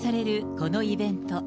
このイベント。